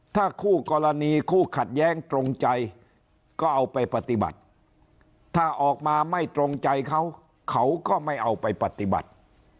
ถ้าคู่กรณีคู่ขัดแย้งตรงใจก็เอาไปปฏิบัติถ้าออกมาไม่ตรงใจเขาเขาก็ไม่เอาไปปฏิบัติ